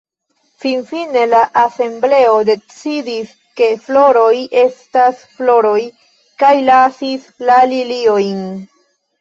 Finfine la asembleo decidis, ke floroj estas floroj kaj lasis la liliojn.